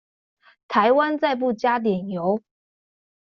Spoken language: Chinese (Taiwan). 台灣再不加點油